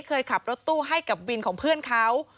เคยขับรถตู้ให้กับวินของเพื่อนเขา